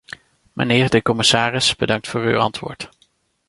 Mijnheer de commissaris, bedankt voor uw antwoord.